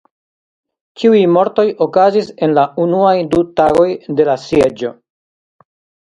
Ĉiuj mortoj okazis en la unuaj du tagoj de la sieĝo.